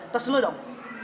tes dulu dong